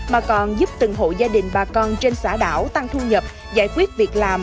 mà còn giúp từng hộ gia đình bà con trên xã đảo tăng thu nhập giải quyết việc làm